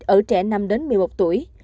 ở trẻ năm đến một mươi một tuổi